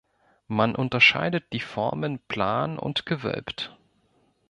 Man unterscheidet die Formen "plan" und "gewölbt".